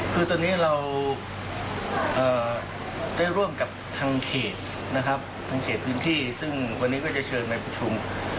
คือตอนนี้เราได้ร่วมกับทางเขตนะครับทางเขตพื้นที่ซึ่งวันนี้ก็จะเชิญไปประชุม